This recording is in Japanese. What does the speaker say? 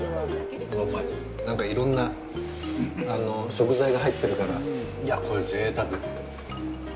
なんか、いろんな食材が入ってるから、いや、これ、ぜいたく！